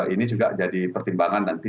ini juga jadi pertimbangan nanti